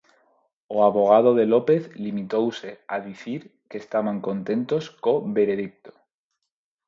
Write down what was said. O avogado de López limitouse a dicir que estaban contentos co veredicto.